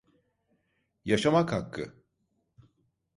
Yaşamak hakkı!